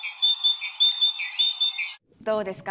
どうですか？